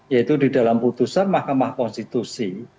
yaitu di dalam putusan mahkamah konstitusi